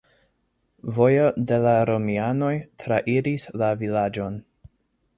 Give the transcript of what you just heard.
Vojo de la romianoj trairis la vilaĝon.